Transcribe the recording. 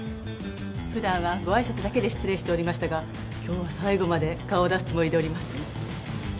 普段はご挨拶だけで失礼しておりましたが今日は最後まで顔を出すつもりでおります。